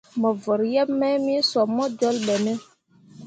Mo vǝrri yeb mai me sob bo jolbo be ne ?